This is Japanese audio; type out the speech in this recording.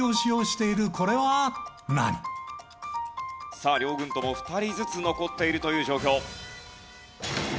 さあ両軍とも２人ずつ残っているという状況。